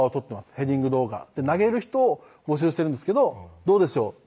ヘディング動画」「投げる人を募集してるんですけどどうでしょう？」